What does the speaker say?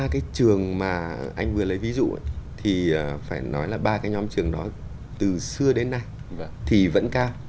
ba cái trường mà anh vừa lấy ví dụ thì phải nói là ba cái nhóm trường đó từ xưa đến nay thì vẫn cao